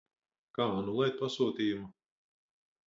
Kā anulēt pasūtījumu?